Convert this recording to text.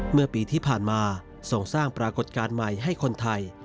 เมื่อปีที่ผ่านมาส่งสร้างปรากฏการณ์ใหม่ให้คนไทย